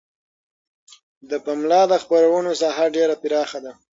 د پملا د خپرونو ساحه ډیره پراخه ده.